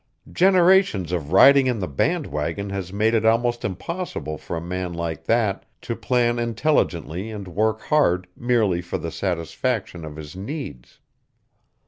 Generations of riding in the bandwagon has made it almost impossible for a man like that to plan intelligently and work hard merely for the satisfaction of his needs."